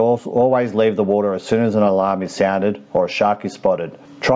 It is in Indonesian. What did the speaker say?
anda harus selalu meninggalkan air sebaik saja alarm terdengar atau burung terdengar